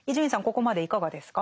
ここまでいかがですか？